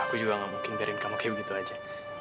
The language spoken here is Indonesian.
aku juga gak mungkin biarin kamu kayak begitu aja